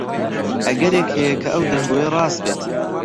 ئەگەرێک هەیە کە ئەو دەنگۆیە ڕاست بێت.